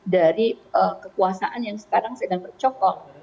dari kekuasaan yang sekarang sedang bercokok